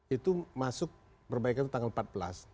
itu masuk perbaikan itu tanggal empat belas